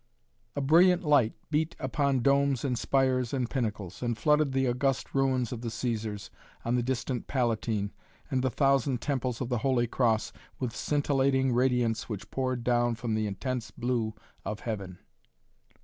A brilliant light beat upon domes and spires and pinnacles, and flooded the august ruins of the Cæsars on the distant Palatine and the thousand temples of the Holy Cross with scintillating radiance which poured down from the intense blue of heaven.